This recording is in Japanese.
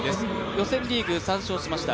予選リーグ３勝しました。